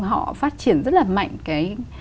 họ phát triển rất là mạnh cái